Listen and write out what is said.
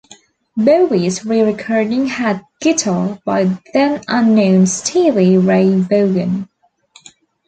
Bowie's re-recording had guitar by a then-unknown Stevie Ray Vaughan.